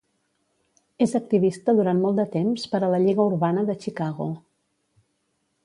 És activista durant molt de temps per a la Lliga urbana de Chicago.